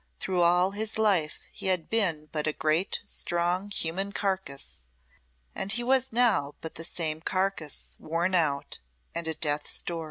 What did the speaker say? Through all his life he had been but a great, strong, human carcass; and he was now but the same carcass worn out, and at death's door.